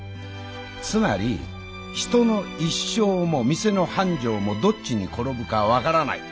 つまり人の一生も店の繁盛もどっちに転ぶか分からない。